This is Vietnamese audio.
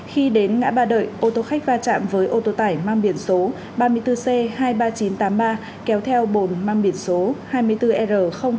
khi đến ngã ba đợi ô tô khách va chạm với ô tô tải mang biển số ba mươi bốn c hai mươi ba nghìn chín trăm tám mươi ba kéo theo bồn mang biển số hai mươi bốn r hai nghìn ba trăm bốn mươi bốn